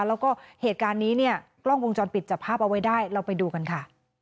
แล้วก็เหตุการณ์นี้เนี่ยกล้องวงจรปิดจับภาพเอาไว้ได้เราไปดูกันค่ะ